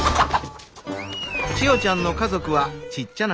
千代ちゃんの家族はちっちゃな